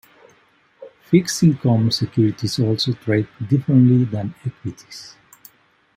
Fixed-income securities also trade differently than equities.